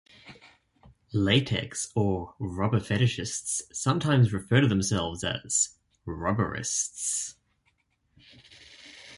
Latex or rubber fetishists sometimes refer to themselves as "rubberists".